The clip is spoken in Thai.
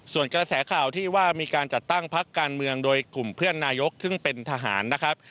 ส่วนกระแสข่าวที่ว่ามีการจัดตั้งพักการเมืองโดยกลุ่มเพื่อนนายกซึ่งเป็นทหารนะครับ